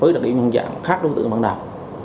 với đặc điểm nhận dạng khác đối tượng ban đầu